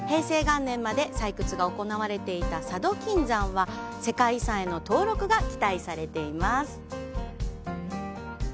平成元年まで採掘が行われていた佐渡金山は、世界遺産への登録が期待されています。